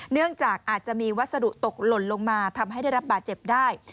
เนื่องจากอาจจะมีวัสดุตกหล่นลงมาทำให้ได้รับบาดเจ็บได้